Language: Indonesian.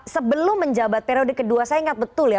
sebelum menjabat periode kedua saya ingat betul ya